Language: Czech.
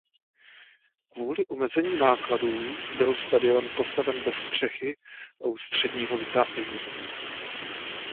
Kvůli omezení nákladů byl stadion postaven bez střechy a ústředního vytápění.